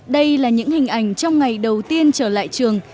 đây là những hình ảnh trong ngày đầu tiên trở lại trường